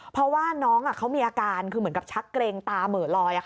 เพราะว่าน้องเขามีอาการคือเหมือนกับชักเกรงตาเหมือลอย